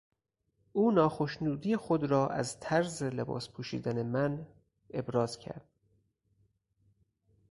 او ناخشنودی خود را از طرز لباس پوشیدن من ابراز کرد.